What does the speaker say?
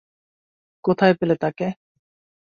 কোথায় পেলে তাকে?